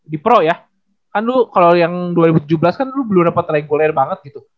di pro ya kan lu kalo yang dua ribu tujuh belas kan lu belum dapat naik golayer banget gitu